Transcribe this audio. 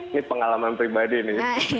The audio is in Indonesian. ini pengalaman pribadi nih